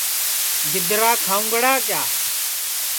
گِدرا کھاؤنگڑا کِیا